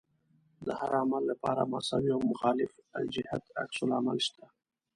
د هر عمل لپاره مساوي او مخالف الجهت عکس العمل شته.